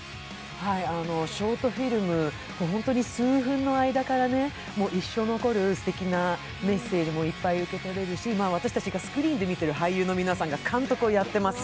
ショートフィルム、本当に数分の間から一生残るすてきなメッセージもいっぱい受け取れるし、私たちがスクリーンで見てる俳優の皆さんが監督をやっています。